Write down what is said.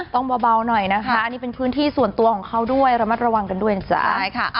ต้องเบาหน่อยนะคะนี่เป็นพื้นที่ส่วนตัวของเขาด้วยระมัดระวังกันด้วยนะจ๊ะ